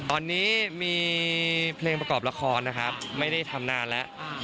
ตอนนี้มีเพลงประกอบละครนะครับไม่ได้ทำนานแล้ว